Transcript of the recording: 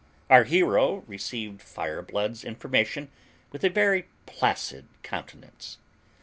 Our hero received Fireblood's information with a very placid countenance.